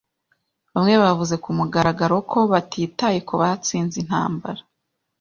Bamwe bavuze kumugaragaro ko batitaye kubatsinze intambara